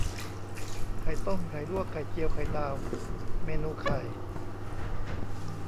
ไข่ต้ม ไข่ลวก ไข่เจียว ไข่ดาว เมนูไข่